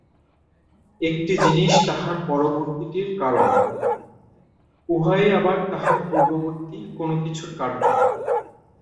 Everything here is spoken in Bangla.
একটি জিনিষ তাহার পরবর্তীটির কারণ, উহাই আবার তাহার পূর্ববর্তী কোন কিছুর কার্য।